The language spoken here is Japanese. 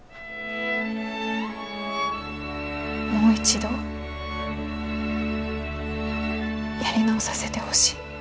もう一度やり直させてほしい。